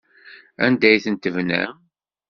Anda ay ten-tebnam?